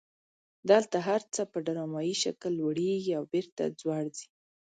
دلته هر څه په ډرامایي شکل لوړیږي او بیرته ځوړ خي.